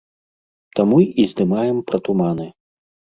Таму і здымаем пра туманы.